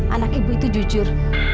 anak ibu itu jujur